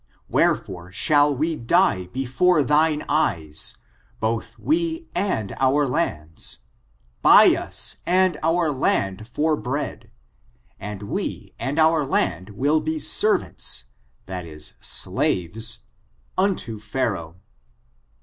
Wherefore shall we die before thine eyes, both we and our lands ; buy us and our land for bread, and we and our land will be servants [slaves] unto Pharaoh.